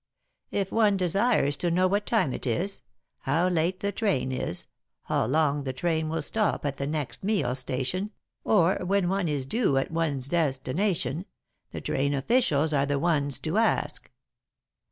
If one desires to know what time it is, how late the train is, how long the train will stop at the next meal station, or when one is due at one's destination, the train officials are the ones to ask.